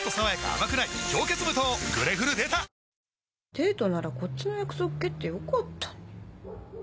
デートならこっちの約束蹴ってよかったのに。